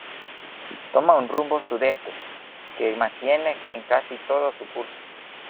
Toma un rumbo sudeste, que mantiene en casi todo su curso.